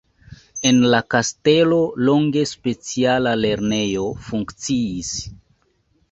En la kastelo longe speciala lernejo funkciis.